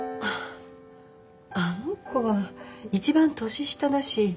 あの子は一番年下だし第一